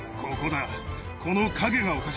ここだ。